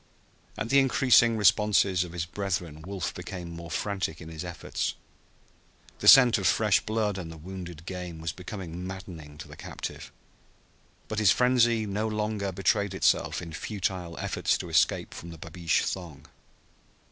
At the increasing responses of his brethren Wolf became more frantic in his efforts. The scent of fresh blood and of wounded game was becoming maddening to the captive. But his frenzy no longer betrayed itself in futile efforts to escape from the babeesh thong.